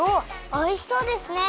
おいしそうですね！